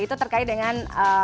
itu terkait dengan